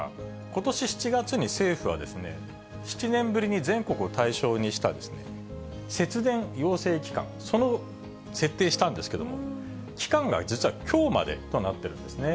ことし７月に政府は、７年ぶりに全国を対象にした節電要請期間、それを設定したんですけれども、期間が実はきょうまでとなってるんですね。